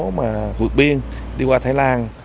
mà vượt biên đi qua thái lan